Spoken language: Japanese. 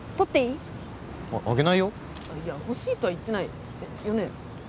いや欲しいとは言ってないよね？